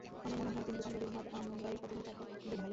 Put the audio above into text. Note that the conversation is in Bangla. আমার মনে হয়, এটি দোকানদারির ভাব আমরাই প্রথমে, তারপর আমাদের ভাই-এরা।